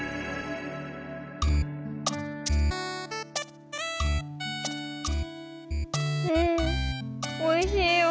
うんおいしいよ。